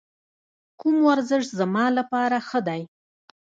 کوم ورزش زما لپاره ښه دی؟